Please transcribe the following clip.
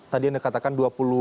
tadi yang dikatakan dua puluh satu